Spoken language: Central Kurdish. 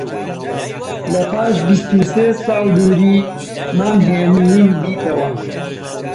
لە پاش بیست و سێ ساڵ دووری، مام هێمنیم دیتەوە